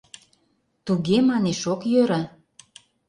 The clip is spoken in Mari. Туге, манеш, ок йӧрӧ.